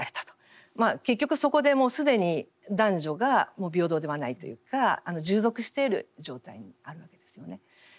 結局そこでもう既に男女が平等ではないというか従属している状態にあるわけですよね。